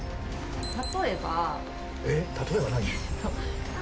例えば。えっ例えば何？